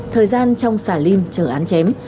thời gian trong xả lim chờ án chém